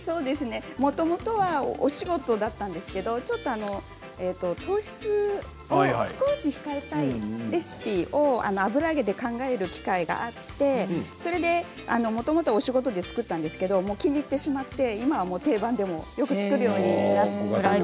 もともとはお仕事だったんですけれど糖質を少し控えたいレシピを油揚げで考える機会があってもともとお仕事で作ったんですが気に入ってしまって今は定番でよく作るようになりました。